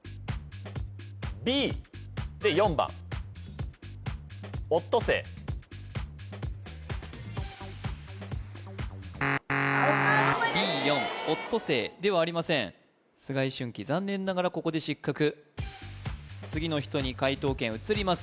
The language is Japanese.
Ｂで４番Ｂ４おっとせいではありません須貝駿貴残念ながらここで失格次の人に解答権移ります